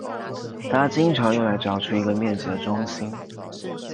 它经常用来找出一个面积的中心。